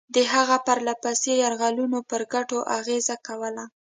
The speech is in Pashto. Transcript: د هغه پرله پسې یرغلونو پر ګټو اغېزه کوله.